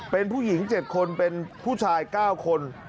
เป็นผู้หญิง๗คนเป็นผู้ชาย๙คน